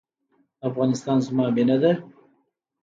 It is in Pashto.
افغانستان زما مینه ده؟